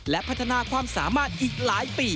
และพัฒนาความสามารถอีกหลายปี